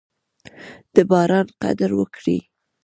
د باران قدر وکړئ.